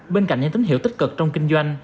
bên cạnh những tín hiệu tích cực trong kinh doanh